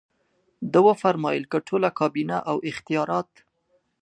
ده وفرمایل که ټوله کابینه او اختیارات.